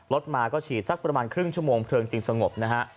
รถมาก็ฉีดสักประมาณครึ่งชั่วโมงเพลิงจึงสงบนะฮะ